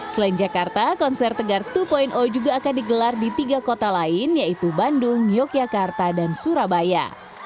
selain jakarta konser tegar dua juga akan digelar di tiga kota lain yaitu bandung yogyakarta dan surabaya